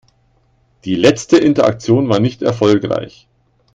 Die letzte Interaktion war nicht erfolgreich.